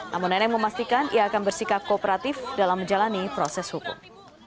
namun nenek memastikan ia akan bersikap kooperatif dalam menjalani proses hukum